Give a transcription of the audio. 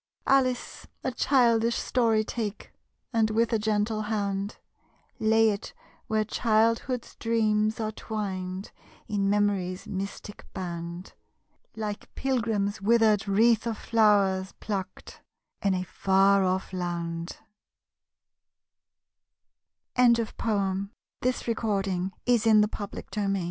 Alice! A childish story take, And with a gentle hand, Lay it where Childhoood's dreams are twined In Memory's mystic band, Like pilgrim's wither'd wreath of flowers Pluck'd in a far off land. Lewis Carroll How doth the little crocodile...